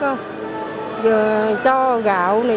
rồi cho gạo này